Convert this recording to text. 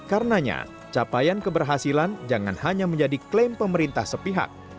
karenanya capaian keberhasilan jangan hanya menjadi klaim pemerintah sepihak